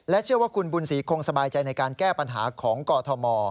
เชื่อว่าคุณบุญศรีคงสบายใจในการแก้ปัญหาของกอทม